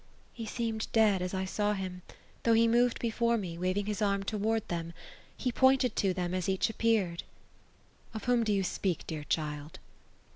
'^ He seemed dead, as I saw him — though he moved before me, wa ring bis arm toward them. He poiiited to them, as each appeared." ^ Of whom do yon speak, dear child